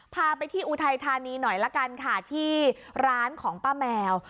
พาไปที่อุทัยธานีหน่อยละกันค่ะที่ร้านของป้าแมว